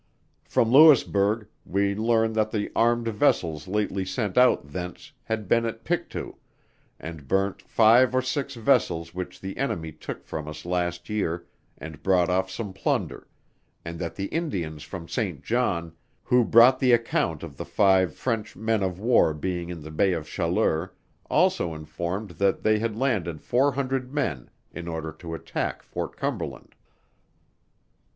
From Louisburg, we learn that the armed vessels lately sent out thence, had been at Pictou, and burnt five or six vessels which the enemy took from us last year, and brought off some plunder; and that the Indians from Saint John, who brought the account of the five French men of war being in the Bay of Chaleur, also informed that they had landed four hundred men, in order to attack Fort Cumberland.